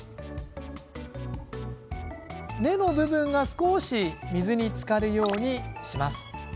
根の部分が少し水につかるようにします。